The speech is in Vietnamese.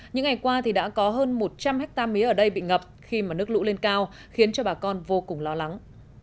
những ngày qua thì đã có hơn một trăm linh hectare mía ở đây bị ngập khi mà nước lũ lên cao khiến cho bà con vô cùng lo lắng